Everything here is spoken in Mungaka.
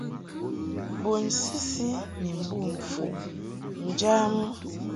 Bun sisi ni mbom fu njamɨ.